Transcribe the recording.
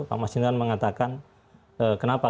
pak mas hinton mengatakan kenapa